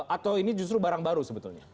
atau ini justru barang baru sebetulnya